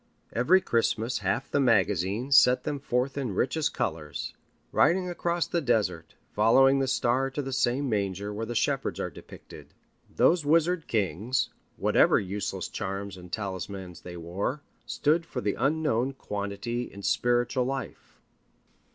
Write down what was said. Every Christmas half the magazines set them forth in richest colors, riding across the desert, following the star to the same manger where the shepherds are depicted. Those wizard kings, whatever useless charms and talismans they wore, stood for the unknown quantity in spiritual life.